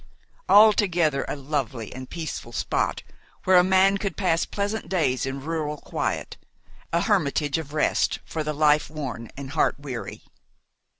Altogether a lovely and peaceful spot, where a man could pass pleasant days in rural quiet, a hermitage of rest for the life worn and heart weary.